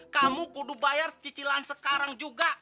kamu kudu bayar cicilan sekarang juga